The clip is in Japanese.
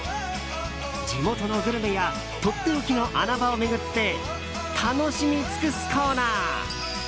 地元のグルメやとっておきの穴場を巡って楽しみ尽くすコーナー